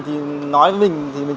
thì nói với mình